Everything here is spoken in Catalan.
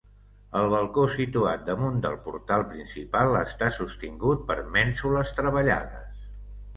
El balcó situat damunt del portal principal està sostingut per mènsules treballades.